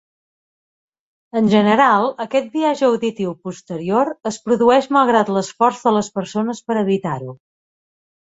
En general, aquest biaix auditiu posterior es produeix malgrat l'esforç de les persones per evitar-ho.